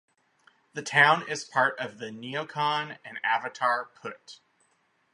The town is part of the Neocon and Avatar Put.